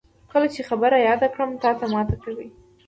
کله چې خبره یاده کړم، تاته ماته کوي.